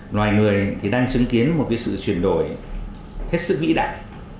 loài người thì đang chứng kiến một sự chuyển đổi hết sức vĩ đại